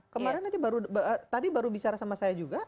kemarin tadi baru bicara sama saya juga